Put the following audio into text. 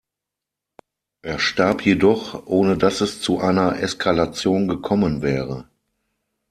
Er starb jedoch, ohne dass es zu einer Eskalation gekommen wäre.